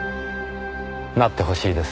なってほしいですねぇ。